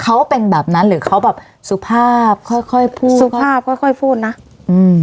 เขาเป็นแบบนั้นหรือเขาแบบสุภาพค่อยค่อยพูดสุภาพค่อยค่อยพูดนะอืม